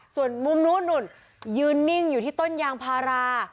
ส่วนมุมนู้นนู่นยืนนิ่งอยู่ที่ต้นยางพารา